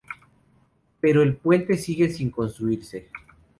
Pero el puente sigue sin construirse...